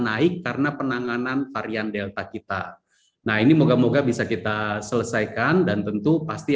naik karena penanganan varian delta kita nah ini moga moga bisa kita selesaikan dan tentu pasti